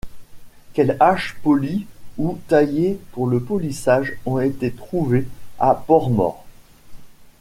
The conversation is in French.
Quelques haches polies ou taillées pour le polissage ont été trouvées à Port-Mort.